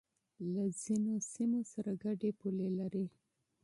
له ځینو سیمو سره گډې پولې لري